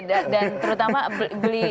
dan terutama beli